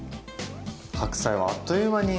白菜はあっという間に。